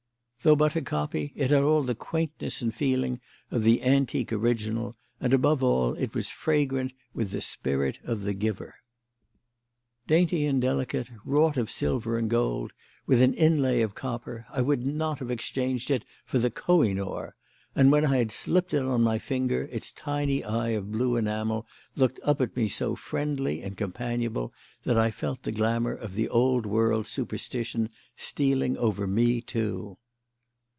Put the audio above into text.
Though but a copy, it had all the quaintness and feeling of the antique original, and, above all, it was fragrant with the spirit of the giver. Dainty and delicate, wrought of silver and gold, with an inlay of copper, I would not have exchanged it for the Koh i noor; and when I had slipped it on my finger its tiny eye of blue enamel looked up at me so friendly and companionable that I felt the glamour of the old world superstition stealing over me, too.